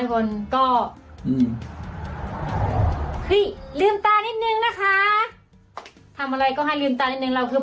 ขอให้ทุกคนมาดำดังด้วยถึง๑หมื่นเลยครับ